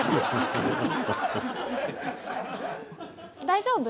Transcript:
大丈夫？